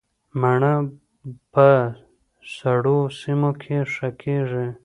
مڼه په سړو سیمو کې ښه کیږي